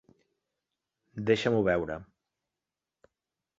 Deixa-m'ho veure!